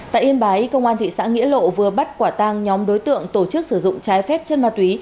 tại yên bái công an thị xã nghĩa lộ vừa bắt quả tang nhóm đối tượng tổ chức sử dụng trái phép chân ma túy